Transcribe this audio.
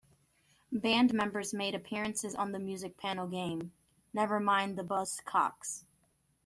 Band members made appearances on the music panel game, "Never Mind the Buzzcocks".